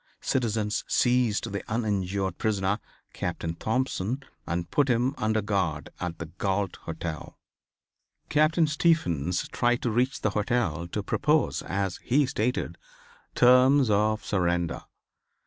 Citizens seized the uninjured prisoner, Captain Thompson, and put him under guard at the Galt hotel. Captain Stephens tried to reach the hotel to propose, as he stated, terms of surrender.